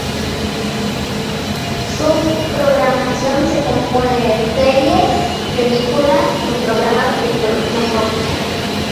Su programación se compone de series, películas y programas de producción propia.